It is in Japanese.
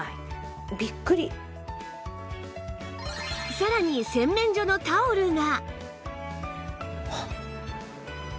さらに洗面所のタオルが